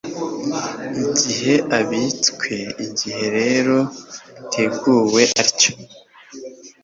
igihe abitswe. Igihe rero ateguwe atyo,